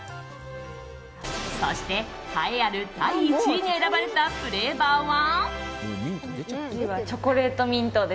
そして栄えある第１位に選ばれたフレーバーは。